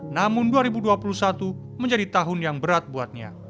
namun dua ribu dua puluh satu menjadi tahun yang berat buatnya